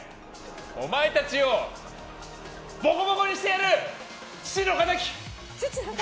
お前たちをボコボコにしてやる！